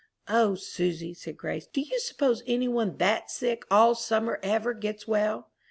"O Susy," said Grace, "do you suppose any one that's sick all summer ever gets well?"